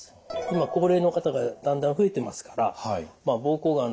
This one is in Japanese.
今高齢の方がだんだん増えてますから膀胱がん